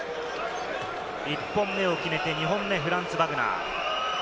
１本目を決めて、２本目、フランツ・バグナー。